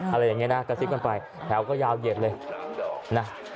อะไรอย่างนี้นะกระซิบกันไปแถวก็ยาวเหยียดเลยนะ